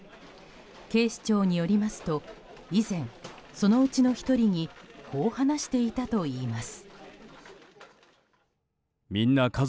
警視庁によりますと以前、そのうちの１人にこう話していたといいます。